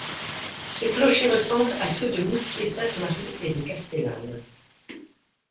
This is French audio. Ce clocher ressemble à ceux de Moustiers-Sainte-Marie et de Castellane.